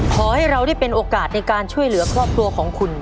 ขอให้เราได้เป็นโอกาสในการช่วยเหลือครอบครัวของคุณ